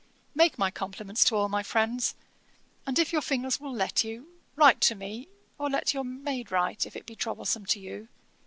'Make my compliments to all my friends; and, if your fingers will let you, write to me, or let your maid write, if it be troublesome to you.